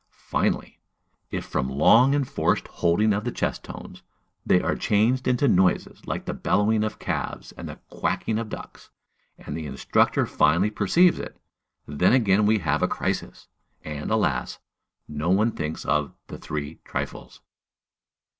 Finally, if from long and forced holding of the chest tones, they are changed into noises like the bellowing of calves and the quacking of ducks, and the instructor finally perceives it, then again we have a crisis! And, alas! no one thinks of "the three trifles."